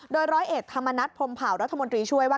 โดยร้อยเอกธรรมนัฐพรมเผารัฐมนตรีช่วยว่า